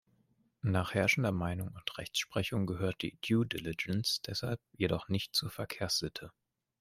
Nach herrschender Meinung und Rechtsprechung gehört die "Due Diligence" deshalb jedoch nicht zur Verkehrssitte.